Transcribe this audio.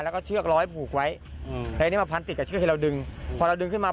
แล้วก็เชือกร้อยผูกไว้อืมแล้วทีนี้มาพันติดกับเชือกที่เราดึงพอเราดึงขึ้นมา